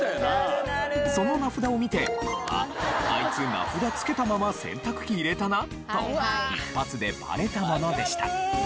その名札を見て「あっあいつ名札付けたまま洗濯機入れたな」と一発でバレたものでした。